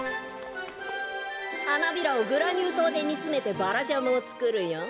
はなびらをグラニューとうでにつめてバラジャムをつくるよ。